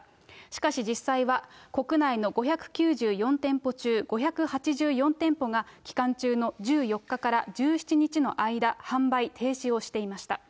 しかし、実際は国内の５９４店舗中５８４店舗が、期間中の１４日から１７日の間、販売停止をしていました。